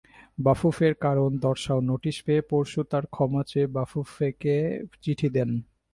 বাফুফের কারণ দর্শাও নোটিশ পেয়ে পরশু তাঁরা ক্ষমা চেয়ে বাফুফেকে চিঠি দেন।